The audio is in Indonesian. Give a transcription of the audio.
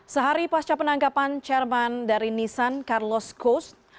sehari pasca penangkapan chairman dari nissan carlos coast